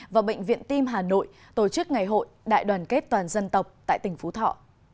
và bệnh viện tim hà nội tổ chức ngày hội đại đoàn kết toàn dân tộc tại tỉnh phú thọ